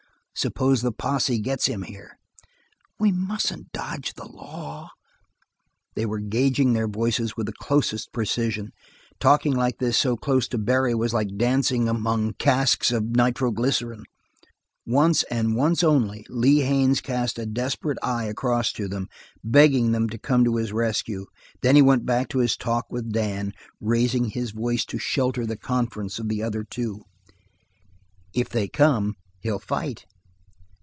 "Suppose the posse gets him here?" "We musn't dodge the law." They were gauging their voices with the closest precision. Talking like this so close to Barry was like dancing among flasks of nitroglycerine. Once, and once only, Lee Haines cast a desperate eye across to them, begging them to come to his rescue, then he went back to his talk with Dan, raising his voice to shelter the conference of the other two. "If they come, he'll fight."